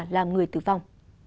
làm người tử vong